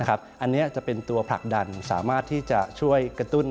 อันนี้จะเป็นตัวผลักดันสามารถที่จะช่วยกระตุ้น